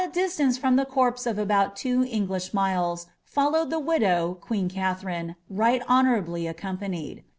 diitanro from the corpse of nbont two English miles, folKntfd iho widow, qiiccn Katherine, ri^ht honourably aiTompaniei^.